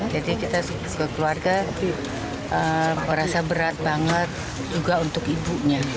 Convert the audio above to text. jadi kita sebagai keluarga merasa berat banget juga untuk ibunya